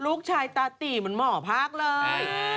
ลูกชายตาตีเหมือนหมอภาคเลย